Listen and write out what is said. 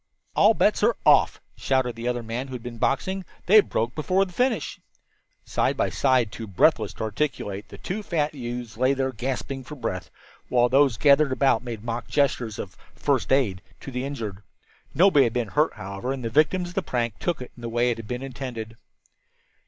"All bets are off," shouted the other man who had been boxing; "they broke before the finish." Side by side, too breathless to articulate, the two fat youths lay there gasping for breath, while those gathered about them made mock gestures of "first aid to the injured." Nobody had been hurt, however, and the victims of the prank took it in the way it had been intended.